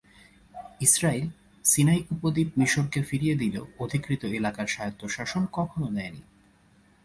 Israil Sinai উপদ্বীপ মিশরকে ফিরিয়ে দিলেও অধিকৃত এলাকার স্বায়ত্তশাসন কখনো দেয়নি।